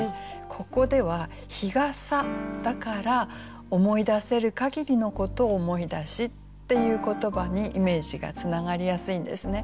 ここでは「日傘」だから「思い出せるかぎりのことを思い出し」っていう言葉にイメージがつながりやすいんですね。